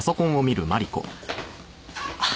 あっ！